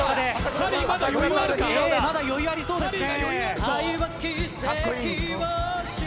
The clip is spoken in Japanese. まだ余裕ありそうですね。